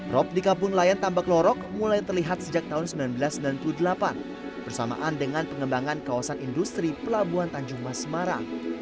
rop di kampung nelayan tambak lorok mulai terlihat sejak tahun seribu sembilan ratus sembilan puluh delapan bersamaan dengan pengembangan kawasan industri pelabuhan tanjung mas semarang